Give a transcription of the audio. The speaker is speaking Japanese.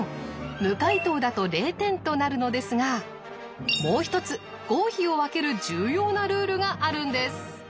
無回答だと０点となるのですがもう一つ合否を分ける重要なルールがあるんです。